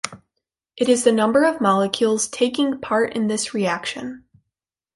It is the number of molecules taking part in this reaction.